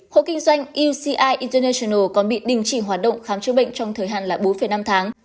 hộ kinh doanh eci international còn bị đình chỉ hoạt động khám chữa bệnh trong thời hạn là bốn năm tháng